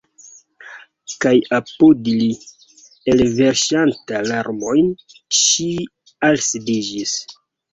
Kaj apud li, elverŝanta larmojn, ŝi alsidiĝis.